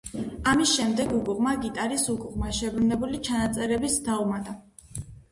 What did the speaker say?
ამის შემდეგ უკუღმა გიტარის უკუღმა შებრუნებული ჩანაწერებიც დაუმატა.